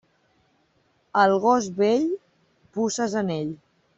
Al gos vell, puces en ell.